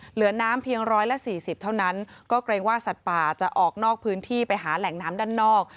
เหลือน้ำเพียงร้อยละสี่สิบเท่านั้นก็เกรงว่าสัตว์ป่าจะออกนอกพื้นที่ไปหาแหล่งน้ำด้านนอก